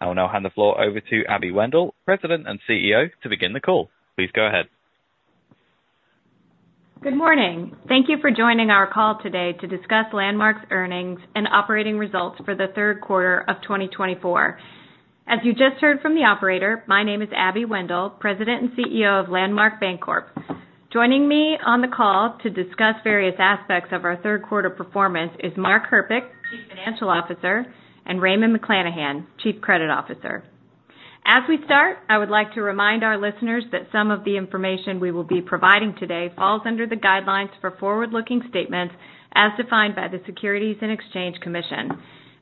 I'll now hand the floor over to Abby Wendel, President and CEO, to begin the call. Please go ahead. Good morning. Thank you for joining our call today to discuss Landmark's earnings and operating results for the third quarter of 2024. As you just heard from the operator, my name is Abby Wendel, President and CEO of Landmark Bancorp. Joining me on the call to discuss various aspects of our third quarter performance is Mark Herpich, Chief Financial Officer, and Raymond McLanahan, Chief Credit Officer. As we start, I would like to remind our listeners that some of the information we will be providing today falls under the guidelines for forward-looking statements as defined by the Securities and Exchange Commission.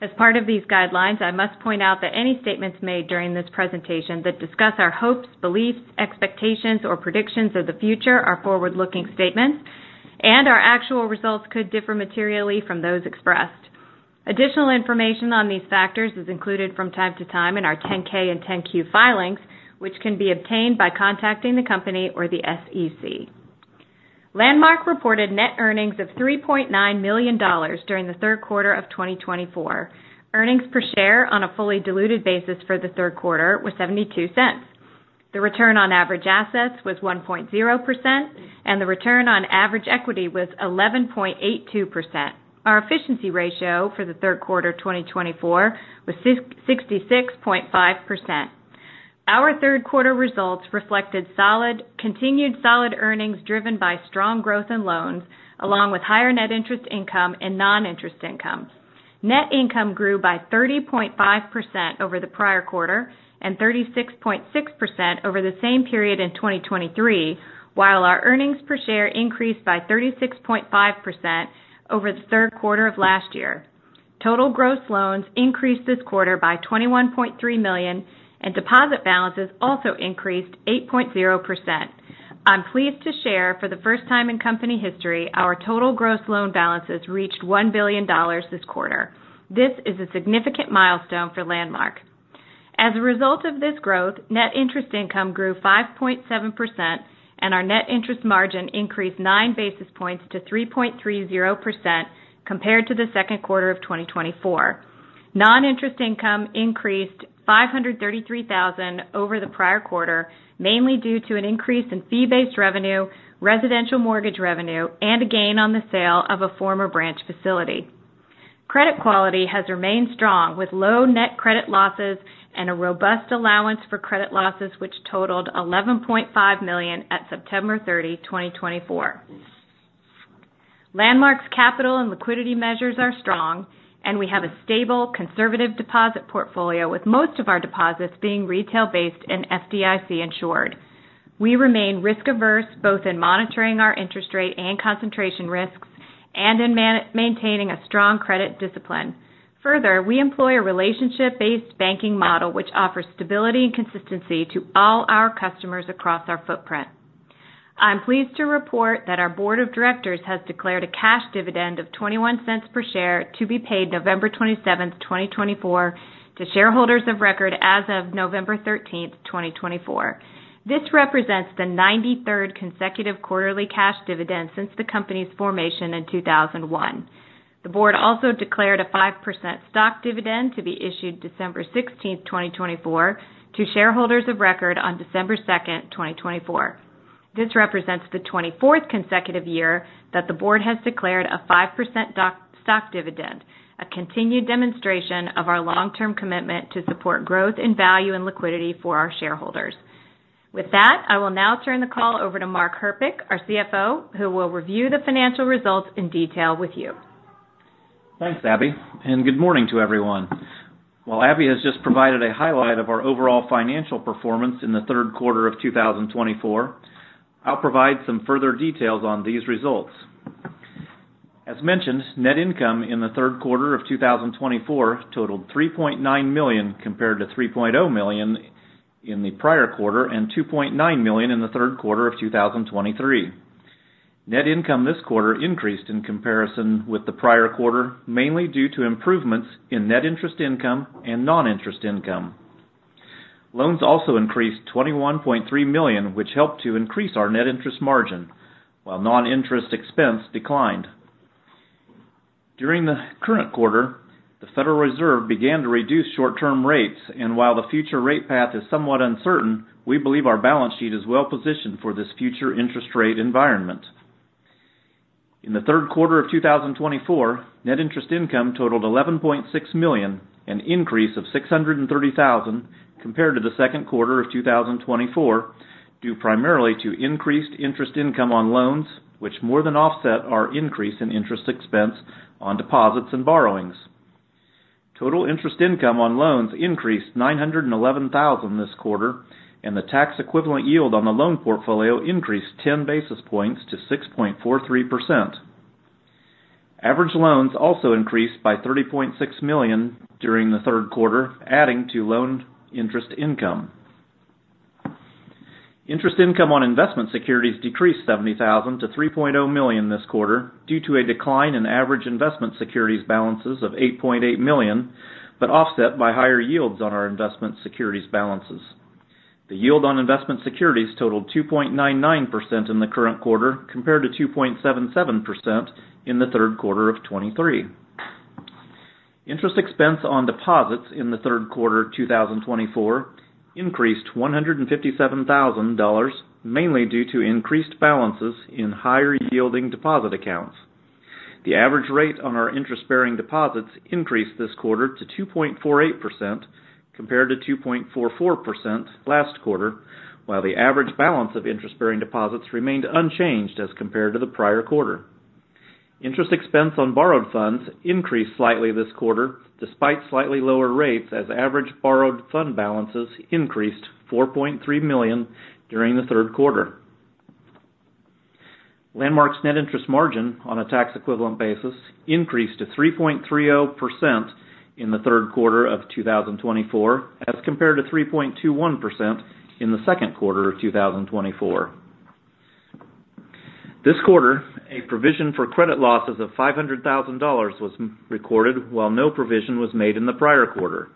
As part of these guidelines, I must point out that any statements made during this presentation that discuss our hopes, beliefs, expectations, or predictions of the future are forward-looking statements, and our actual results could differ materially from those expressed. Additional information on these factors is included from time to time in our 10-K and 10-Q filings, which can be obtained by contacting the company or the SEC. Landmark reported net earnings of $3.9 million during the third quarter of 2024. Earnings per share on a fully diluted basis for the third quarter were $0.72. The return on average assets was 1.0%, and the return on average equity was 11.82%. Our efficiency ratio for the third quarter of 2024 was 66.5%. Our third quarter results reflected continued solid earnings driven by strong growth in loans, along with higher net interest income and non-interest income. Net income grew by 30.5% over the prior quarter and 36.6% over the same period in 2023, while our earnings per share increased by 36.5% over the third quarter of last year. Total gross loans increased this quarter by $21.3 million, and deposit balances also increased 8.0%. I'm pleased to share, for the first time in company history, our total gross loan balances reached $1 billion this quarter. This is a significant milestone for Landmark. As a result of this growth, net interest income grew 5.7%, and our net interest margin increased 9 basis points to 3.30% compared to the second quarter of 2024. Non-interest income increased $533,000 over the prior quarter, mainly due to an increase in fee-based revenue, residential mortgage revenue, and a gain on the sale of a former branch facility. Credit quality has remained strong, with low net credit losses and a robust allowance for credit losses, which totaled $11.5 million at September 30, 2024. Landmark's capital and liquidity measures are strong, and we have a stable, conservative deposit portfolio, with most of our deposits being retail-based and FDIC insured. We remain risk-averse both in monitoring our interest rate and concentration risks and in maintaining a strong credit discipline. Further, we employ a relationship-based banking model, which offers stability and consistency to all our customers across our footprint. I'm pleased to report that our Board of Directors has declared a cash dividend of $0.21 per share to be paid November 27th, 2024, to shareholders of record as of November 13th, 2024. This represents the 93rd consecutive quarterly cash dividend since the company's formation in 2001. The Board also declared a 5% stock dividend to be issued December 16th, 2024, to shareholders of record on December 2nd, 2024. This represents the 24th consecutive year that the Board has declared a 5% stock dividend, a continued demonstration of our long-term commitment to support growth in value and liquidity for our shareholders. With that, I will now turn the call over to Mark Herpich, our CFO, who will review the financial results in detail with you. Thanks, Abby, and good morning to everyone. While Abby has just provided a highlight of our overall financial performance in the third quarter of 2024, I'll provide some further details on these results. As mentioned, net income in the third quarter of 2024 totaled $3.9 million compared to $3.0 million in the prior quarter and $2.9 million in the third quarter of 2023. Net income this quarter increased in comparison with the prior quarter, mainly due to improvements in net interest income and non-interest income. Loans also increased $21.3 million, which helped to increase our net interest margin, while non-interest expense declined. During the current quarter, the Federal Reserve began to reduce short-term rates, and while the future rate path is somewhat uncertain, we believe our balance sheet is well-positioned for this future interest rate environment. In the third quarter of 2024, net interest income totaled $11.6 million, an increase of $630,000 compared to the second quarter of 2024, due primarily to increased interest income on loans, which more than offset our increase in interest expense on deposits and borrowings. Total interest income on loans increased $911,000 this quarter, and the tax-equivalent yield on the loan portfolio increased 10 basis points to 6.43%. Average loans also increased by $30.6 million during the third quarter, adding to loan interest income. Interest income on investment securities decreased $70,000 to $3.0 million this quarter due to a decline in average investment securities balances of $8.8 million, but offset by higher yields on our investment securities balances. The yield on investment securities totaled 2.99% in the current quarter compared to 2.77% in the third quarter of 2023. Interest expense on deposits in the third quarter of 2024 increased $157,000, mainly due to increased balances in higher-yielding deposit accounts. The average rate on our interest-bearing deposits increased this quarter to 2.48% compared to 2.44% last quarter, while the average balance of interest-bearing deposits remained unchanged as compared to the prior quarter. Interest expense on borrowed funds increased slightly this quarter, despite slightly lower rates, as average borrowed fund balances increased $4.3 million during the third quarter. Landmark's net interest margin on a tax-equivalent basis increased to 3.30% in the third quarter of 2024, as compared to 3.21% in the second quarter of 2024. This quarter, a provision for credit losses of $500,000 was recorded, while no provision was made in the prior quarter.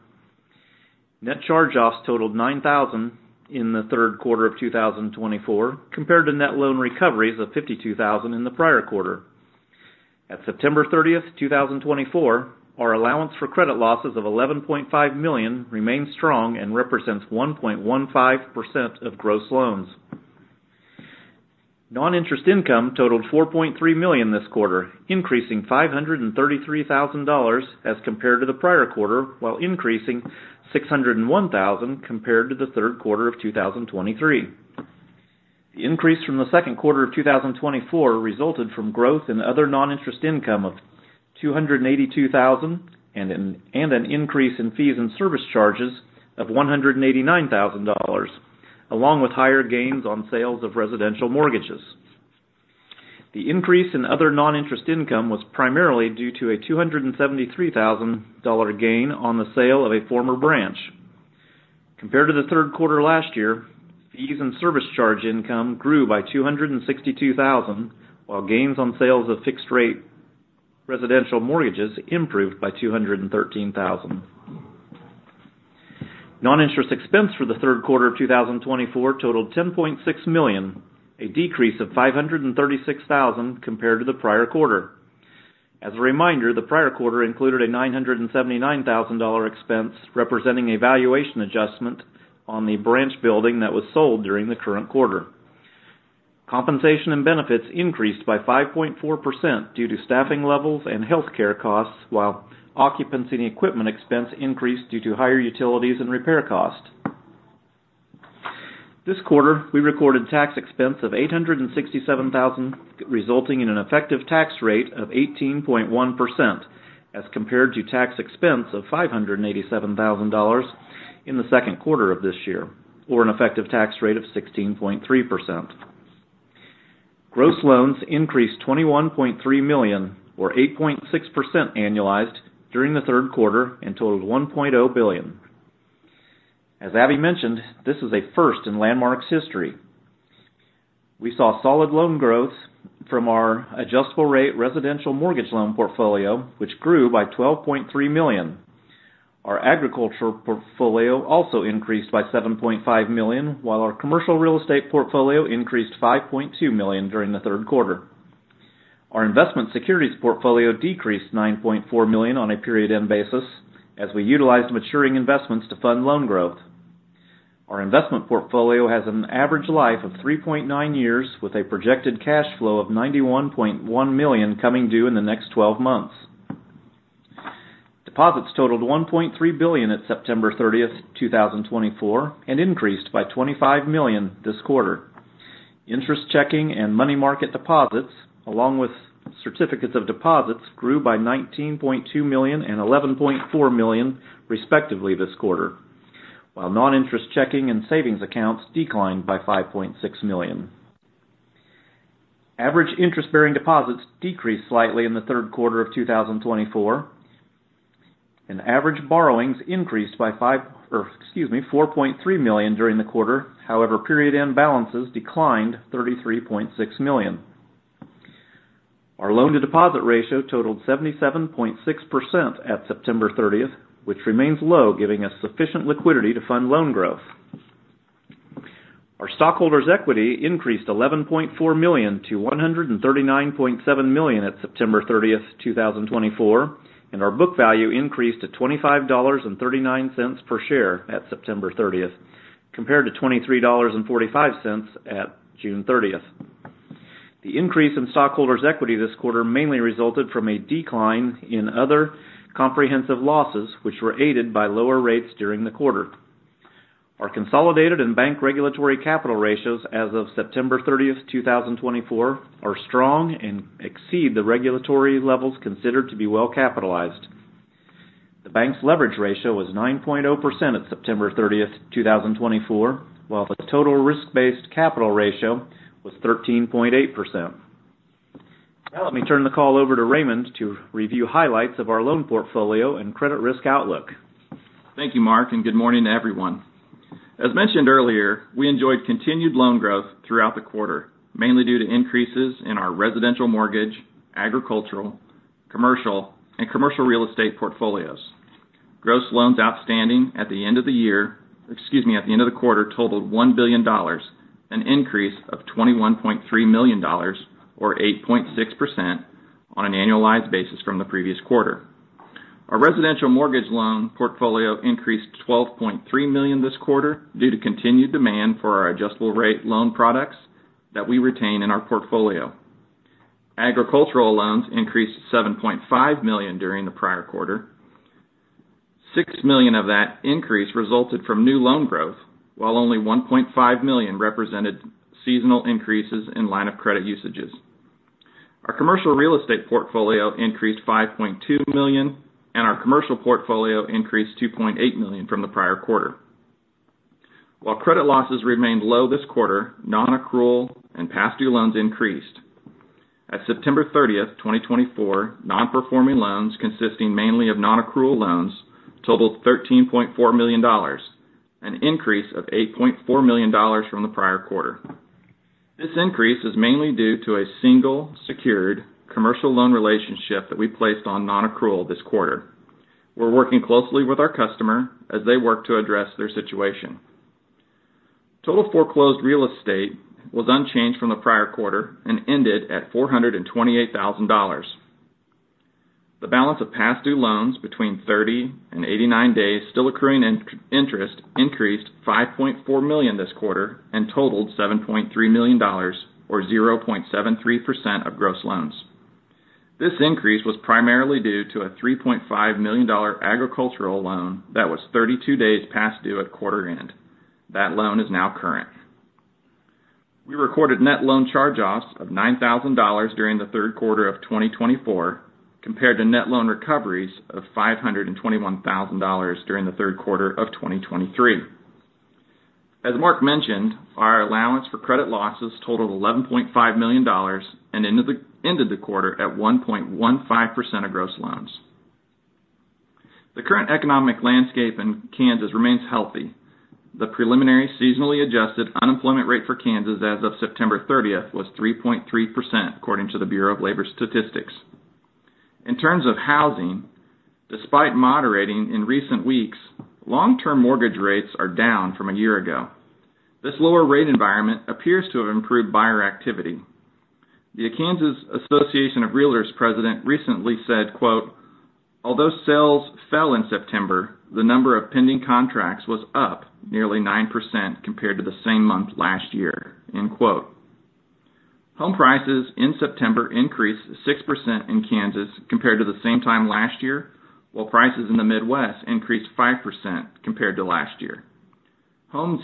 Net charge-offs totaled $9,000 in the third quarter of 2024, compared to net loan recoveries of $52,000 in the prior quarter. At September 30th, 2024, our Allowance for Credit Losses of $11.5 million remained strong and represents 1.15% of gross loans. Non-Interest Income totaled $4.3 million this quarter, increasing $533,000 as compared to the prior quarter, while increasing $601,000 compared to the third quarter of 2023. The increase from the second quarter of 2024 resulted from growth in other Non-Interest Income of $282,000 and an increase in fees and service charges of $189,000, along with higher gains on sales of residential mortgages. The increase in other Non-Interest Income was primarily due to a $273,000 gain on the sale of a former branch. Compared to the third quarter last year, fees and service charge income grew by $262,000, while gains on sales of fixed-rate residential mortgages improved by $213,000. Non-Interest Expense for the third quarter of 2024 totaled $10.6 million, a decrease of $536,000 compared to the prior quarter. As a reminder, the prior quarter included a $979,000 expense, representing a valuation adjustment on the branch building that was sold during the current quarter. Compensation and benefits increased by 5.4% due to staffing levels and healthcare costs, while occupancy and equipment expense increased due to higher utilities and repair costs. This quarter, we recorded tax expense of $867,000, resulting in an effective tax rate of 18.1% as compared to tax expense of $587,000 in the second quarter of this year, or an effective tax rate of 16.3%. Gross loans increased $21.3 million, or 8.6% annualized, during the third quarter and totaled $1.0 billion. As Abby mentioned, this is a first in Landmark's history. We saw solid loan growth from our adjustable-rate residential mortgage loan portfolio, which grew by $12.3 million. Our agriculture portfolio also increased by $7.5 million, while our commercial real estate portfolio increased $5.2 million during the third quarter. Our investment securities portfolio decreased $9.4 million on a period-end basis, as we utilized maturing investments to fund loan growth. Our investment portfolio has an average life of 3.9 years, with a projected cash flow of $91.1 million coming due in the next 12 months. Deposits totaled $1.3 billion at September 30, 2024, and increased by $25 million this quarter. Interest checking and money market deposits, along with certificates of deposit, grew by $19.2 million and $11.4 million, respectively, this quarter, while non-interest checking and savings accounts declined by $5.6 million. Average interest-bearing deposits decreased slightly in the third quarter of 2024. Our average borrowings increased by $4.3 million during the quarter. However, period-end balances declined $33.6 million. Our loan-to-deposit ratio totaled 77.6% at September 30, which remains low, giving us sufficient liquidity to fund loan growth. Our stockholders' equity increased $11.4 million to $139.7 million at September 30, 2024, and our book value increased to $25.39 per share at September 30, compared to $23.45 at June 30. The increase in stockholders' equity this quarter mainly resulted from a decline in other comprehensive losses, which were aided by lower rates during the quarter. Our consolidated and bank regulatory capital ratios as of September 30, 2024, are strong and exceed the regulatory levels considered to be well-capitalized. The bank's leverage ratio was 9.0% at September 30, 2024, while the total risk-based capital ratio was 13.8%. Now let me turn the call over to Raymond to review highlights of our loan portfolio and credit risk outlook. Thank you, Mark, and good morning to everyone. As mentioned earlier, we enjoyed continued loan growth throughout the quarter, mainly due to increases in our residential mortgage, agricultural, commercial, and commercial real estate portfolios. Gross loans outstanding at the end of the year, excuse me, at the end of the quarter, totaled $1 billion, an increase of $21.3 million, or 8.6% on an annualized basis from the previous quarter. Our residential mortgage loan portfolio increased $12.3 million this quarter due to continued demand for our adjustable-rate loan products that we retain in our portfolio. Agricultural loans increased $7.5 million during the prior quarter. $6 million of that increase resulted from new loan growth, while only $1.5 million represented seasonal increases in line-of-credit usages. Our commercial real estate portfolio increased $5.2 million, and our commercial portfolio increased $2.8 million from the prior quarter. While credit losses remained low this quarter, non-accrual and past-due loans increased. At September 30, 2024, non-performing loans consisting mainly of non-accrual loans totaled $13.4 million, an increase of $8.4 million from the prior quarter. This increase is mainly due to a single secured commercial loan relationship that we placed on non-accrual this quarter. We're working closely with our customer as they work to address their situation. Total foreclosed real estate was unchanged from the prior quarter and ended at $428,000. The balance of past-due loans between 30 and 89 days still accruing interest increased $5.4 million this quarter and totaled $7.3 million, or 0.73% of gross loans. This increase was primarily due to a $3.5 million agricultural loan that was 32 days past due at quarter-end. That loan is now current. We recorded net loan charge-offs of $9,000 during the third quarter of 2024, compared to net loan recoveries of $521,000 during the third quarter of 2023. As Mark mentioned, our allowance for credit losses totaled $11.5 million and ended the quarter at 1.15% of gross loans. The current economic landscape in Kansas remains healthy. The preliminary seasonally adjusted unemployment rate for Kansas as of September 30 was 3.3%, according to the Bureau of Labor Statistics. In terms of housing, despite moderating in recent weeks, long-term mortgage rates are down from a year ago. This lower rate environment appears to have improved buyer activity. The Kansas Association of Realtors President recently said, "Although sales fell in September, the number of pending contracts was up nearly 9% compared to the same month last year." Home prices in September increased 6% in Kansas compared to the same time last year, while prices in the Midwest increased 5% compared to last year. Home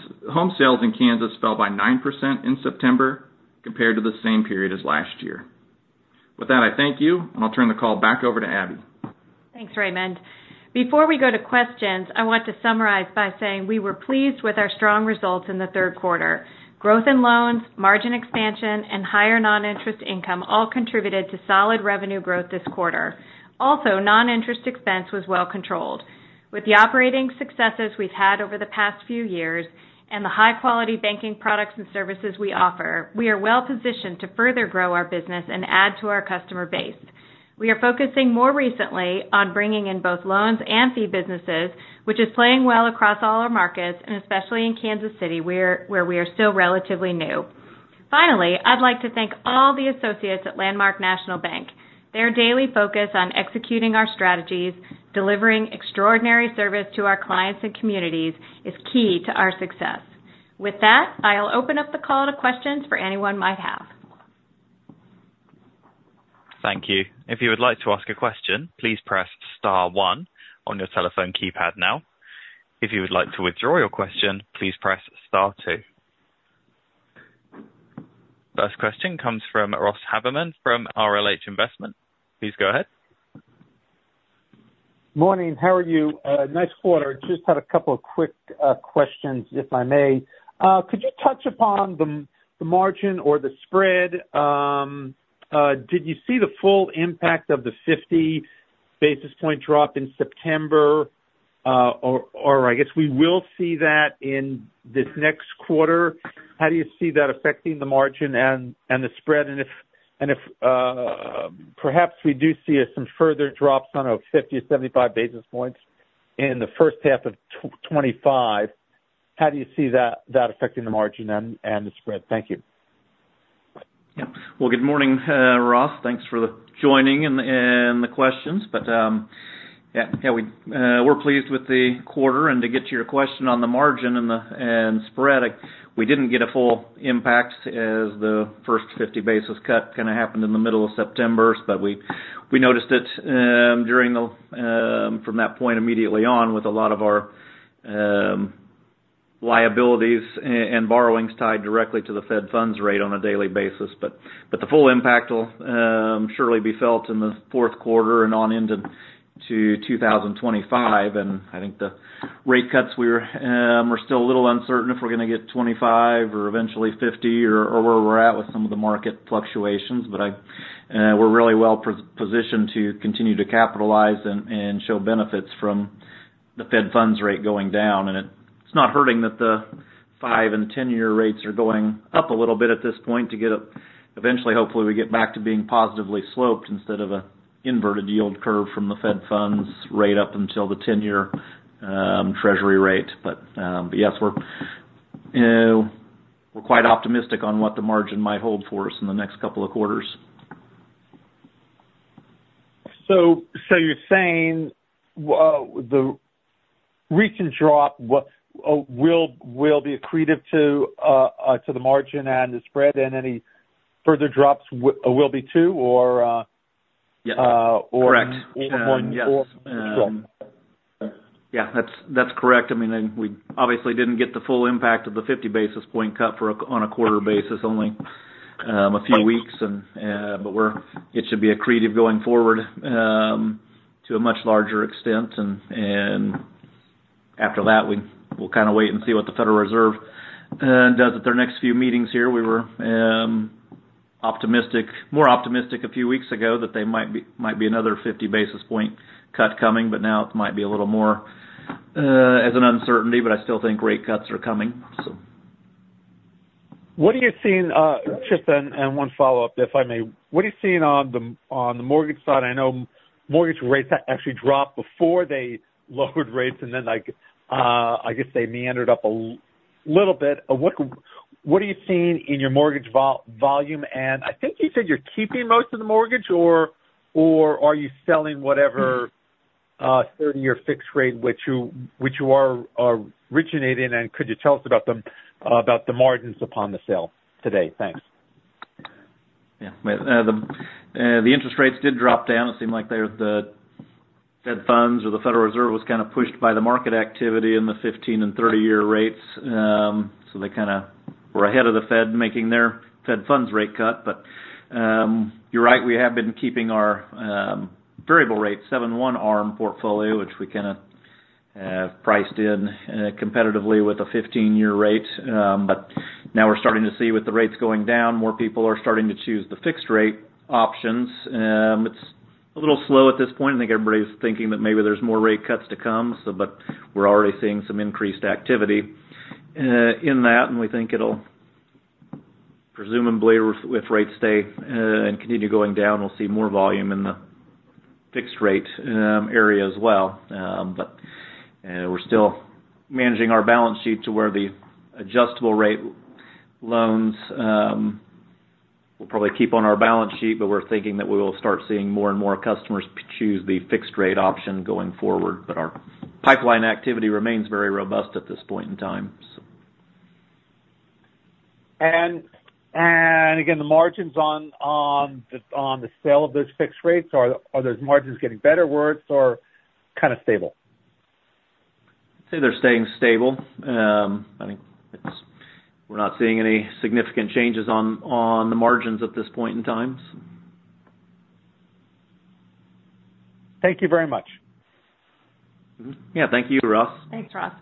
sales in Kansas fell by 9% in September compared to the same period as last year. With that, I thank you, and I'll turn the call back over to Abby. Thanks, Raymond. Before we go to questions, I want to summarize by saying we were pleased with our strong results in the third quarter. Growth in loans, margin expansion, and higher non-interest income all contributed to solid revenue growth this quarter. Also, non-interest expense was well-controlled. With the operating successes we've had over the past few years and the high-quality banking products and services we offer, we are well-positioned to further grow our business and add to our customer base. We are focusing more recently on bringing in both loans and fee businesses, which is playing well across all our markets, and especially in Kansas City, where we are still relatively new. Finally, I'd like to thank all the associates at Landmark National Bank. Their daily focus on executing our strategies, delivering extraordinary service to our clients and communities, is key to our success. With that, I'll open up the call to questions for anyone who might have. Thank you. If you would like to ask a question, please press star one on your telephone keypad now. If you would like to withdraw your question, please press star two. First question comes from Ross Haberman from RLH Investments. Please go ahead. Morning. How are you? Nice quarter. Just had a couple of quick questions, if I may. Could you touch upon the margin or the spread? Did you see the full impact of the 50 basis point drop in September, or I guess we will see that in this next quarter? How do you see that affecting the margin and the spread? And if perhaps we do see some further drops on our 50 or 75 basis points in the first half of 2025, how do you see that affecting the margin and the spread? Thank you. Yeah. Well, good morning, Ross. Thanks for joining and the questions. But yeah, we're pleased with the quarter. And to get to your question on the margin and spread, we didn't get a full impact as the first 50 basis points cut kind of happened in the middle of September, but we noticed it from that point immediately on with a lot of our liabilities and borrowings tied directly to the Fed funds rate on a daily basis. But the full impact will surely be felt in the fourth quarter and on into 2025. And I think the rate cuts, we're still a little uncertain if we're going to get 25 or eventually 50 or where we're at with some of the market fluctuations. But we're really well-positioned to continue to capitalize and show benefits from the Fed funds rate going down. It's not hurting that the five and 10-year rates are going up a little bit at this point to get eventually, hopefully, we get back to being positively sloped instead of an inverted yield curve from the Fed funds rate up until the 10-year Treasury rate. But yes, we're quite optimistic on what the margin might hold for us in the next couple of quarters. So you're saying the recent drop will be accretive to the margin and the spread, and any further drops will be too, or? Yes. Correct. Yeah. That's correct. I mean, we obviously didn't get the full impact of the 50 basis point cut on a quarter basis only a few weeks, but it should be accretive going forward to a much larger extent. After that, we'll kind of wait and see what the Federal Reserve does at their next few meetings here. We were more optimistic a few weeks ago that there might be another 50 basis point cut coming, but now it might be a little more as an uncertainty. I still think rate cuts are coming, so. What are you seeing? Just one follow-up, if I may. What are you seeing on the mortgage side? I know mortgage rates actually dropped before they lowered rates, and then I guess they meandered up a little bit. What are you seeing in your mortgage volume? I think you said you're keeping most of the mortgage, or are you selling whatever 30-year fixed rate, which you are originating? Could you tell us about the margins upon the sale today? Thanks. Yeah. The interest rates did drop down. It seemed like the Fed funds or the Federal Reserve was kind of pushed by the market activity in the 15- and 30-year rates. They kind of were ahead of the Fed making their Fed funds rate cut. But you're right, we have been keeping our variable rate 7/1 ARM portfolio, which we kind of priced in competitively with a 15-year rate. But now we're starting to see with the rates going down, more people are starting to choose the fixed rate options. It's a little slow at this point. I think everybody's thinking that maybe there's more rate cuts to come, but we're already seeing some increased activity in that. We think it'll presumably, with rates staying and continuing to go down, we'll see more volume in the fixed rate area as well. But we're still managing our balance sheet to where the adjustable-rate loans will probably keep on our balance sheet, but we're thinking that we will start seeing more and more customers choose the fixed-rate option going forward. But our pipeline activity remains very robust at this point in time, so. Again, the margins on the sale of those fixed rates, are those margins getting better or worse, or kind of stable? I'd say they're staying stable. I think we're not seeing any significant changes on the margins at this point in time. Thank you very much. Yeah. Thank you, Ross. Thanks, Ross.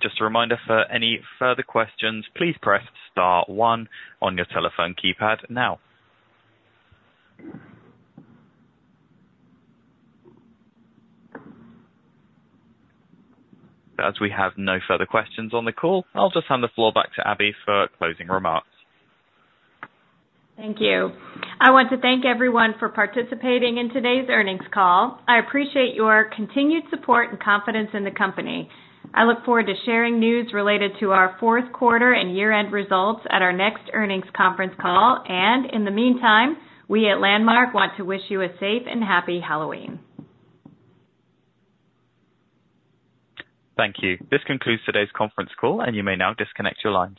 Just a reminder, for any further questions, please press star one on your telephone keypad now. As we have no further questions on the call, I'll just hand the floor back to Abby for closing remarks. Thank you. I want to thank everyone for participating in today's earnings call. I appreciate your continued support and confidence in the company. I look forward to sharing news related to our fourth quarter and year-end results at our next earnings conference call. And in the meantime, we at Landmark want to wish you a safe and happy Halloween. Thank you. This concludes today's conference call, and you may now disconnect your lines.